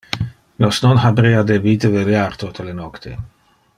Nos non haberea debite veliar tote le nocte.